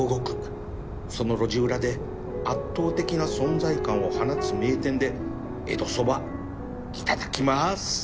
その路地裏で圧倒的な存在感を放つ名店で江戸そばいただきます